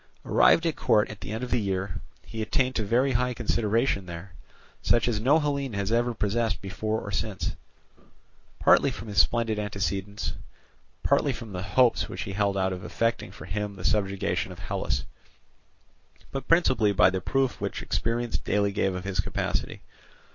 Arrived at court at the end of the year, he attained to very high consideration there, such as no Hellene has ever possessed before or since; partly from his splendid antecedents, partly from the hopes which he held out of effecting for him the subjugation of Hellas, but principally by the proof which experience daily gave of his capacity.